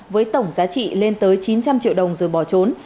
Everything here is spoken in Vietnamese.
với tổng giá trị lên tới chín trăm linh triệu đồng rồi bỏ trốn